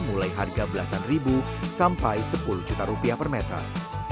mulai harga belasan ribu sampai sepuluh juta rupiah per meter